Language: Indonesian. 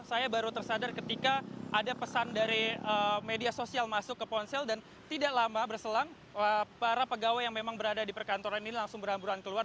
saya baru tersadar ketika ada pesan dari media sosial masuk ke ponsel dan tidak lama berselang para pegawai yang memang berada di perkantoran ini langsung berhamburan keluar